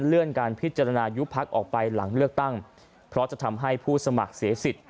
การพิจารณายุบพักออกไปหลังเลือกตั้งเพราะจะทำให้ผู้สมัครเสียสิทธิ์